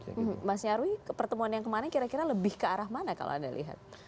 mas nyarwi pertemuan yang kemarin kira kira lebih ke arah mana kalau anda lihat